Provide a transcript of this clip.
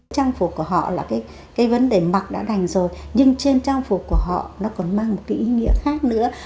trang phục của họ là cái vấn đề mặc đã đành rồi nhưng trên trang phục của họ nó còn mang một cái ý nghĩa khác nữa